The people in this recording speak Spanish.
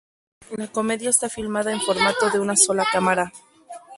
La comedia está filmada en formato de una sola cámara.